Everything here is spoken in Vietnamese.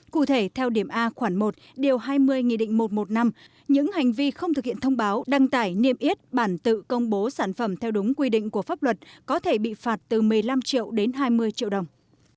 cụ thể theo điểm a khoảng một điều hai mươi nghị định một trăm một mươi năm những hành vi không thực hiện thông báo đăng tải niêm yết bản tự công bố sản phẩm theo đúng quy định của pháp luật có thể bị phạt từ một mươi năm triệu đến hai mươi triệu đồng